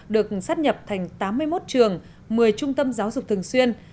được sát nhập thành tám mươi một trường một mươi trung tâm giáo dục thường xuyên